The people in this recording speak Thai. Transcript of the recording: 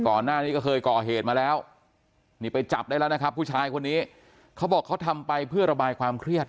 ก่อนหน้านี้ก็เคยก่อเหตุมาแล้วนี่ไปจับได้แล้วนะครับผู้ชายคนนี้เขาบอกเขาทำไปเพื่อระบายความเครียด